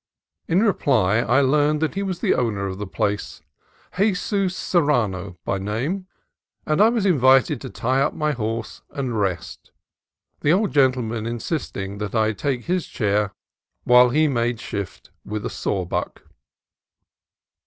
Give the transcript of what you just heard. In reply, I learned that he was the owner of the place, Jesus Serrano by name, and I was invited to tie up my horse and rest; the old gentleman insisting that I take his chair, while he made shift with a saw buck.